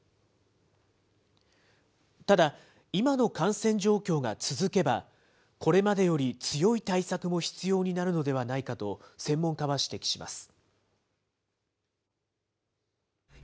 ただ、今の感染状況が続けば、これまでより強い対策も必要になるのではないかと、専門家は指摘します。